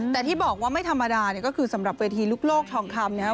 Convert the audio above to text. แต่ที่บอกว่าไม่ธรรมดาก็คือสำหรับเวทีลูกโลกทองคำ